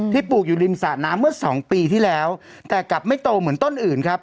ปลูกอยู่ริมสระน้ำเมื่อสองปีที่แล้วแต่กลับไม่โตเหมือนต้นอื่นครับ